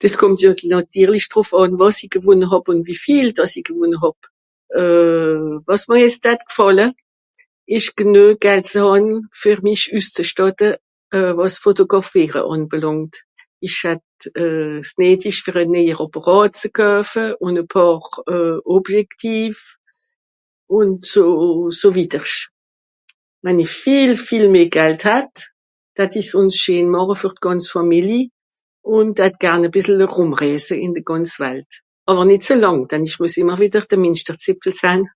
Dìs kùmmt jo nàtirlisch drùff àn wàs i gewonne hàb ùn wie viel dàss i gewonne hàb. Euh... wàs mr jetz dat gfàlle ìsch genue Geld ze hàn fer mich üsszestàtte wàs Fotogràfìere ànbelàngt. Ìch datt euh... (...) fer e néies Àppàràt ze koefe ùn e Pààr Objectif, ùn so... so wìddersch. Wenn i viel viel meh Gald hatt, datt i s ùns scheen màche fer d'gànz Fàmili, ùn datt garn e bìssel rùmrèse ìn de gànz Walt. Àwer nìt zü làng, denn ìch mues ìmmer wìdder de (...)